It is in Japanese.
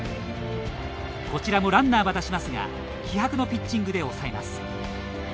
こちらもランナーは出しますが気迫のピッチングで抑えます。